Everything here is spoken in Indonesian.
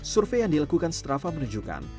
survei yang dilakukan strava menunjukkan